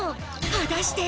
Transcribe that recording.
果たして。